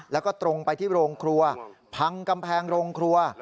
แล้วก็ตรงไปที่โรงครัวพังกำแพงโรงครัว